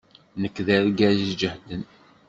Nekk d argaz iǧehden.